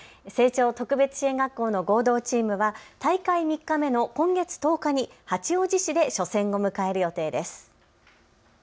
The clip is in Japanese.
青鳥特別支援学校の合同チームは大会３日目の今月１０日に八王子市で初戦を迎える予定です。